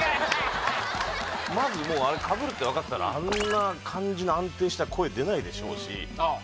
まずもうあれかぶるって分かったらあんな感じの安定した声出ないでしょうしああ